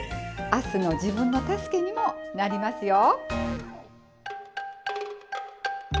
あすの自分の助けにもなりますよ。